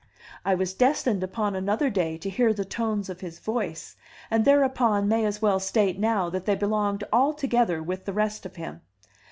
I was destined upon another day to hear the tones of his voice, and thereupon may as well state now that they belonged altogether with the rest of him.